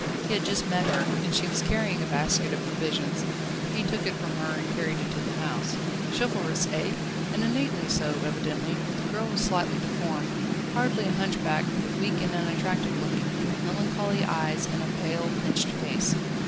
He had just met her, and she was carrying a basket of provisions: he took it from her and carried it to the house. Chivalrous eh? and innately so, evidently, for the girl was slightly deformed: hardly a hunchback, but weak and unattractive looking, with melancholy eyes, and a pale, pinched face.